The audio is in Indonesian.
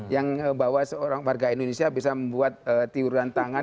yang bahwa seorang warga indonesia bisa membuat tiuran tangan